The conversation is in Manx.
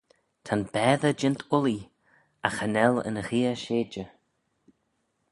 Ta'n baatey jeant ullee, agh cha nel yn gheay sheidey.